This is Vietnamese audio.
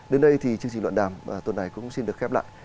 đến đây thì chương trình luận đàm tuần này cũng xin được khép lại